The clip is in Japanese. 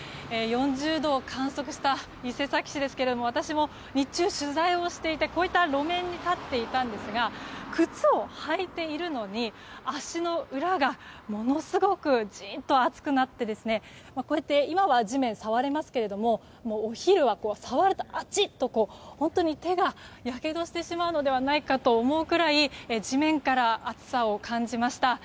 ４０度を観測した伊勢崎市ですけれども私も日中、取材をしていて路面に立っていたんですが靴を履いているのに足の裏がものすごくじっと熱くなって今は地面を触れますけどお昼は触るとあちっと本当に手が、やけどしてしまうのではと思うぐらい地面から暑さを感じました。